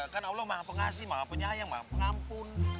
kan allah maha pengasih maha penyayang maha pengampun